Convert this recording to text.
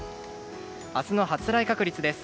明日の発雷確率です。